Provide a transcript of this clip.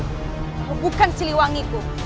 kau bukan siliwangi itu